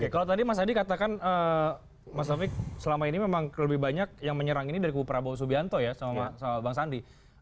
kalau tadi mas adi katakan mas taufik selama ini memang lebih banyak yang menyerang ini dari kubu prabowo subianto ya sama bang sandi